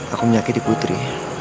aku menyakiti putri